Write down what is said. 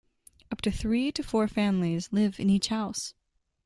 Up to three to four families live in each house.